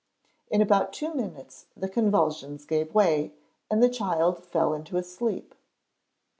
In about two minutes the convulsions gave way, and the child fell into a sleep.